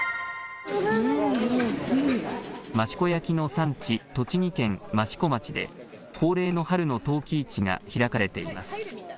益子焼の産地、栃木県益子町で恒例の春の陶器市が開かれています。